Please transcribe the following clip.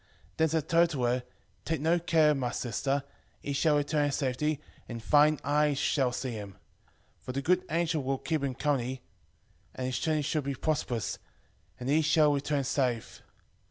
5:20 Then said Tobit to her, Take no care, my sister; he shall return in safety, and thine eyes shall see him. 5:21 For the good angel will keep him company, and his journey shall be prosperous, and he shall return safe.